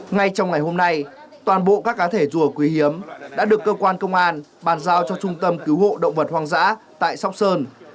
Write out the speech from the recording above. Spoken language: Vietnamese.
ngay trong ngày hôm nay toàn bộ các cá thể rùa quý hiếm đã được cơ quan công an bàn giao cho trung tâm cứu hộ động vật hoang dã tại sóc sơn